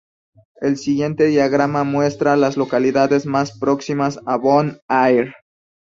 El siguiente diagrama muestra a las localidades más próximas a Bon Air.